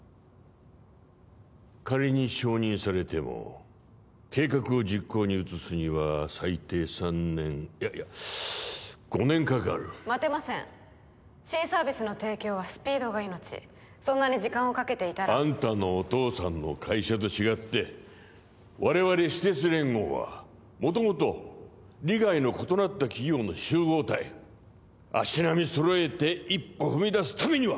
仮に承認されても計画を実行に移すには最低３年いやいや５年かかる待てません新サービスの提供はスピードが命そんなに時間をかけていたらあんたのお父さんの会社と違って我々私鉄連合は元々利害の異なった企業の集合体足並み揃えて一歩踏み出すためには！